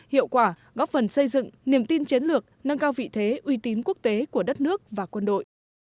hiệu quả góp phần xây dựng niềm tin chiến lược nâng cao vị thế uy tín quốc tế của đất nước và quân đội